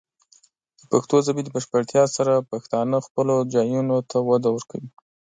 د پښتو ژبې د بشپړتیا سره، پښتانه خپلو ځایونو ته وده ورکوي.